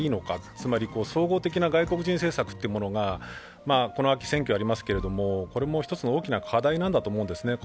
つまり、総合的な外国人政策というものが、この秋、選挙がありますけれどもこれも１つの大きな課題なんだと思うんですね。